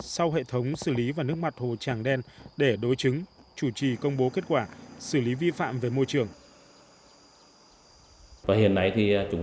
sau hệ thống xử lý và nước mặt hồ tràng đen để đối chứng chủ trì công bố kết quả xử lý vi phạm về môi trường